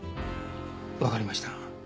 わかりました。